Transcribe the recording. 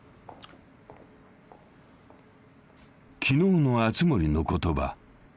［昨日の熱護の言葉］